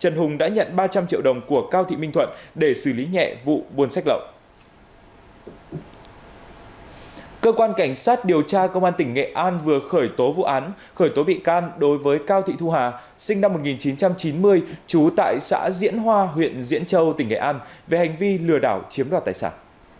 sinh năm một nghìn chín trăm chín mươi trú tại xã diễn hoa huyện diễn châu tỉnh nghệ an về hành vi lừa đảo chiếm đoạt tài sản